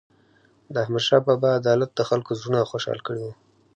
د احمدشاه بابا عدالت د خلکو زړونه خوشحال کړي وو.